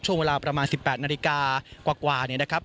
ช่วงเวลาประมาณ๑๘นาฬิกากว่าเนี่ยนะครับ